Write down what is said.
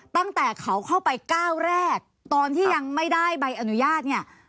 ตั้งแต่เขาเข้าไปก้าวแรกตอนที่ยังไม่ได้ใบอนุญาตเนี่ย